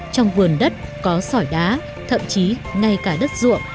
trong vườn đất có sỏi đá thậm chí ngay cả đất ruộng